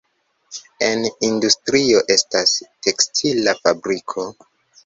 En industrio estas tekstila fabriko.